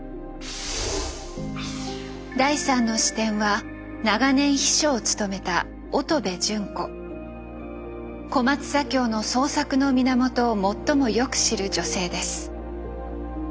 第３の視点は長年秘書を務めた小松左京の創作の源を最もよく知る女性です。